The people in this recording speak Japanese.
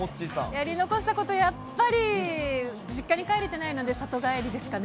やり残したこと、やっぱり実家に帰れてないので、里帰りですかね。